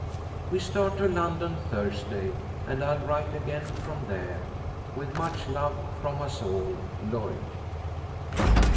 "We start to London Thursday, and I'll write again from there. With much love from us all, Lloyd."